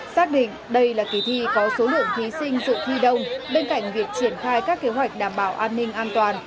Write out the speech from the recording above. xác định đây là kỳ thi có số lượng thí sinh dự thi đông bên cạnh việc triển khai các kế hoạch đảm bảo an ninh an toàn